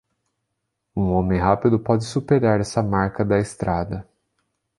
Um homem rápido pode superar essa marca da estrada.